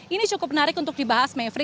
ini cukup menarik untuk dibahas mevri